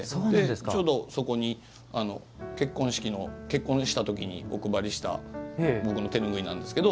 ちょうど、そこに結婚した時にお配りした僕の手拭いなんですけど。